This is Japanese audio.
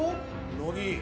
乃木